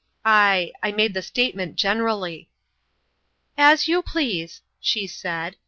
u I I made the statement generally." " As you please," she said.